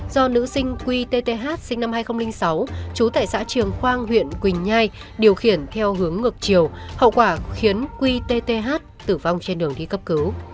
do nữ sinh quy tth sinh năm hai nghìn sáu chú tại xã triềng quang huyện quỳnh nhai điều khiển theo hướng ngược chiều hậu quả khiến quy tth tử vong trên đường đi cấp cứu